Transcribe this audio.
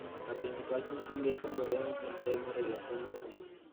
La principal función de estas orejas es la termo regulación del animal.